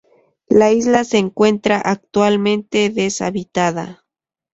La isla se encuentra actualmente deshabitada.